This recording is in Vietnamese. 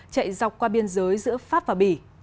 chạy dọc qua biên giới giữa pháp và bỉ